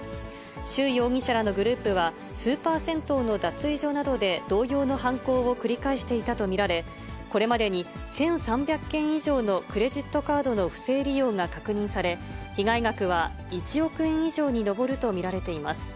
周容疑者らのグループは、スーパー銭湯の脱衣所などで、同様の犯行を繰り返していたと見られ、これまでに１３００件以上のクレジットカードの不正利用が確認され、被害額は１億円以上に上ると見られています。